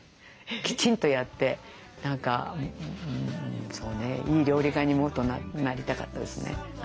きちんとやって何かそうねいい料理家にもっとなりたかったですね。